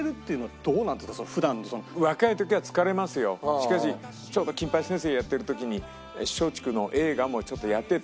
しかしちょうど『金八先生』やってる時に松竹の映画もちょっとやってた。